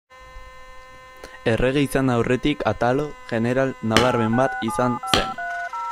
Errege izan aurretik, Atalo, jeneral nabarmen bat izan zen.